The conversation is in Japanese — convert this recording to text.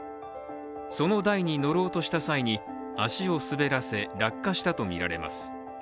その台に乗ろうとした際に、足を滑らせ落下したとみられます。